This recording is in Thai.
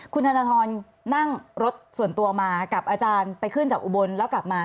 คุณธนทรนั่งรถส่วนตัวมากับอาจารย์ไปขึ้นจากอุบลแล้วกลับมา